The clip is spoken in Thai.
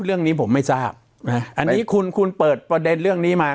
เรื่องนี้ผมไม่ทราบอันนี้คุณคุณเปิดประเด็นเรื่องนี้มา